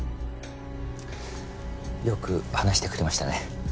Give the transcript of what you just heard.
よく話してくれましたね。